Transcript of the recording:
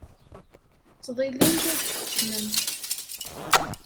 Ttḍillin-d ur d-keččemen.